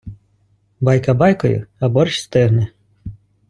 Байка байкою, а борщ стигне.